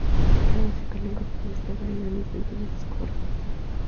Su carrera musical nunca pudo despegar en grandes ventas discográficas.